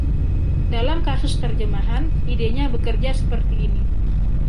Dalam kasus terjemahan, idenya bekerja seperti ini.